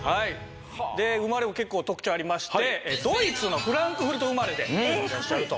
で生まれも結構特徴ありましてドイツのフランクフルト生まれでいらっしゃると。